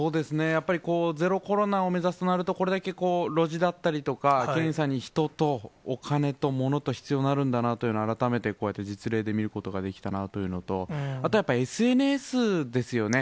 やっぱりゼロコロナを目指すとなると、これだけこう、ロジだったりとか、検査に人とお金と物と必要になるんだなと、改めてこうやって実例で見ることができたなというのと、あとやっぱり、ＳＮＳですよね。